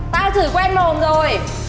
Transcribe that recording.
tao chửi quen mồm rồi